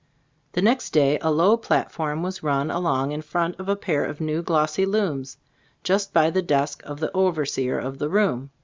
The next day a low platform was run along in front of a pair of new, glossy looms, just by the desk of the overseer of the room.